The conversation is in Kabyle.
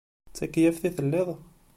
D takeyyaft i telliḍ?